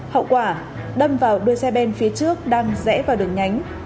hậu quả đâm vào đuôi xe ben phía trước đang rẽ vào đường nhánh